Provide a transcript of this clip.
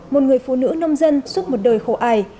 một người phụ nữ nông dân suốt một đời khổ ải